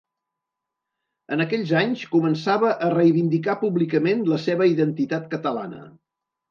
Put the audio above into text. En aquells anys, començava a reivindicar públicament la seva identitat catalana.